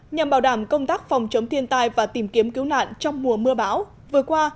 nhằm bảo đảm công tác phòng chống thiên tai và tìm kiếm cứu nạn trong mùa mưa bão vừa qua